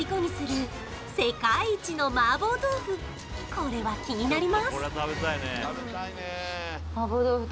これは気になります